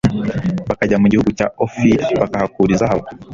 bakajya mu gihugu cya ofiri bakahakura izahabu